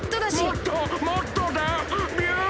もっともっとだ！ビュン！